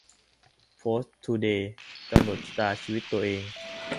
โพสต์ทูเดย์ : กำหนดชะตาชีวิตตัวเอง